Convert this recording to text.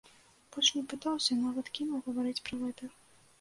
Больш не пытаўся, нават кінуў гаварыць пра гэта.